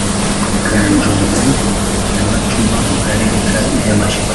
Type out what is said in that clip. Kanjongo na Macuba mu Karere ka Nyamasheke